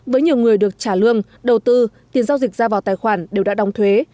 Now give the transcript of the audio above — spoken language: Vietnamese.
với nhiều người được trả lương đầu tư tiền giao dịch ra vào tài khoản đều đã đóng thuế